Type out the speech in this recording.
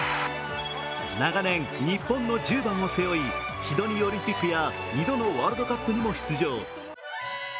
長年、日本の１０番を背負いシドニーオリンピックや２度のワールドカップにも出場。